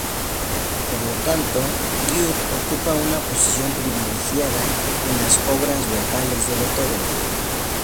Por lo tanto, Goethe ocupa una posición privilegiada en las obras vocales de Beethoven.